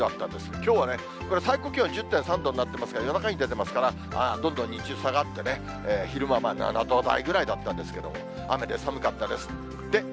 きょうはね、これ最高気温１０．３度になってますから、夜中に出てますが、どんどん日中下がって、昼間は７度台ぐらいだったんですけれども、雨で寒かったです。